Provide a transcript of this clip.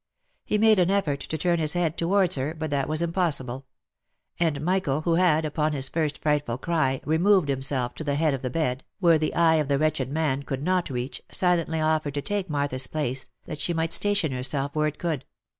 He made an effort to turn his head towards her, but that was impossible ; and Michael, who had, upon his first frightful cry, removed himself to the head of the bed, where the eye of the wretched man could not reach, silently offered to take Martha's place, that she might station herself where it could.